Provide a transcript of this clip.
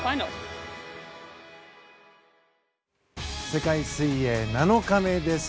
世界水泳７日目です。